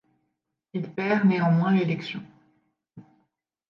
Il perd néanmoins l'élection.